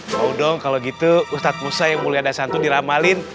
mau dong kalau gitu ustadz musa yang mulia ada santu diramalin